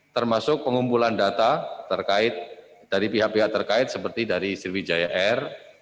termasuk pengumpulan data terkait dari pihak pihak terkait seperti dari sriwijaya air